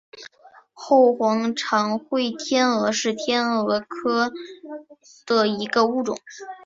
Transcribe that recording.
后黄长喙天蛾是天蛾科的一个物种。